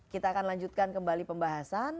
kita akan lanjutkan kembali pembahasan